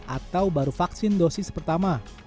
atau baru vaksin dosis pertama